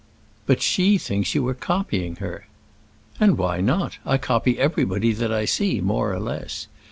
"But she thinks you are copying her." "And why not? I copy everybody that I see, more or less.